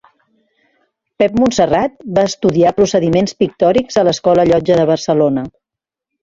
Pep Montserrat va estudiar Procediments Pictòrics a l'Escola Llotja de Barcelona.